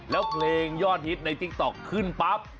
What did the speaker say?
แล้วเพลงยอดฮิตในติ๊กต๊อกขึ้นปั๊บ